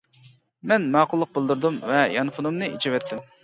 مەن ماقۇللۇق بىلدۈردۈم ۋە يانفونۇمنى ئېچىۋەتتىم.